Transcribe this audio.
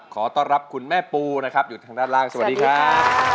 ขอต้อนรับคุณแม่ปูนะครับอยู่ทางด้านล่างสวัสดีครับ